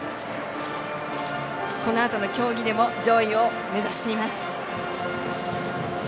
このあとの競技でも上位を目指しています。